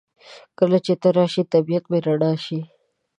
کله چې ته راشې طبیعت مې رڼا شي.